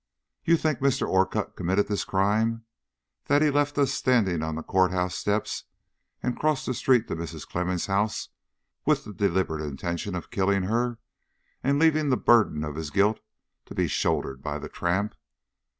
"You think Mr. Orcutt committed this crime; that he left us standing on the court house steps and crossed the street to Mrs. Clemmens' house with the deliberate intention of killing her, and leaving the burden of his guilt to be shouldered by the tramp.